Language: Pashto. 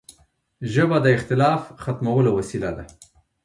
ژبه د اختلاف ختمولو وسیله ده